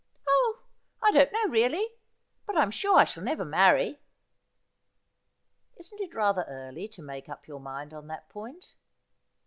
' Oh, I don't know, really. But I'm sure I shall never marry.' ' Isn't it rather early to make up your mind on that point